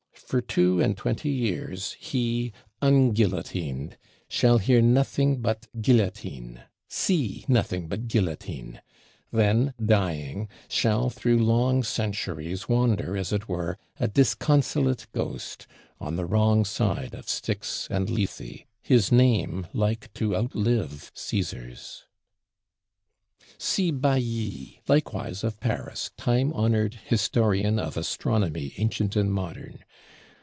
For two and twenty years he, unguillotined, shall hear nothing but guillotine, see nothing but guillotine; then dying, shall through long centuries wander, as it were, a disconsolate ghost, on the wrong side of Styx and Lethe; his name like to outlive Cæsar's. See Bailly, likewise of Paris, time honored Historian of Astronomy Ancient and Modern.